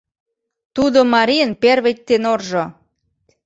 Тудо марийын первый теноржо...